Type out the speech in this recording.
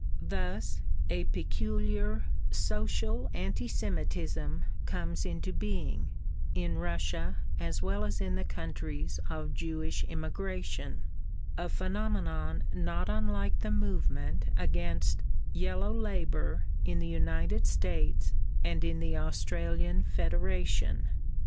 Thus a peculiar "social anti Semitism" comes into being, in Russia as well as in the countries of Jewish immigration, a phenomenon not unlike the movement against "yellow labour" in the United States and in the Australian Federation.